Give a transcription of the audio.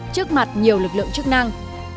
trước mặt nhiều lực lượng chức năng